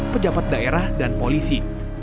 pejabat daerah dan polisi